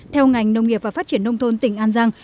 theo ngành nông nghiệp và phát triển nông thôn tỉnh an giang